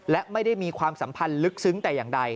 และไม่ได้มีความสัมพันธ์ลึกซึ้งแต่อย่างใด